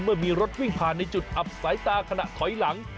เมื่อมีรถวิ่งผ่านในจุดอับสายตาขณะถอยหลัง